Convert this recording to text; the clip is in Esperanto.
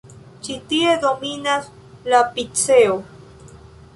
Ĉi tie dominas la piceo.